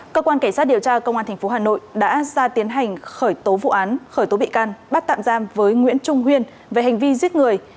cơ quan cảnh sát điều tra công an tp hà nội đã ra tiến hành khởi tố vụ án khởi tố bị can bắt tạm giam với nguyễn trung huyên về hành vi giết người